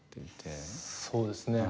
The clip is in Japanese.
そうですね。